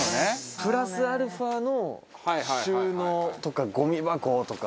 プラスアルファの収納とかゴミ箱とか。